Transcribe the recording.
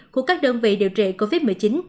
của các đơn vị điều trị covid một mươi chín